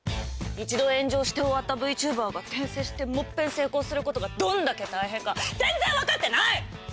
一度炎上して終わったＶＴｕｂｅｒが転生してもう一遍成功することがどんだけ大変か全然分かってない！